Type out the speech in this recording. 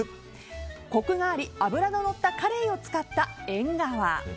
コクがあり脂ののったカレイを使った、えんがわ。